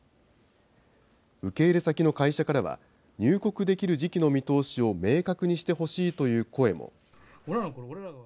受け入れ先の会社からは、入国できる時期の見通しを明確にしてほしいという声も。